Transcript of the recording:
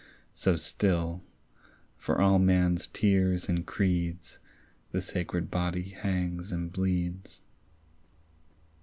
So still, for all man's tears and creeds, The sacred body hangs and bleeds.